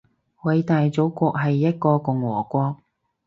偉大祖國係一個共和國